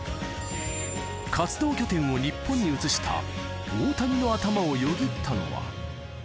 活動拠点を日本に移した大谷の頭をよぎったのは。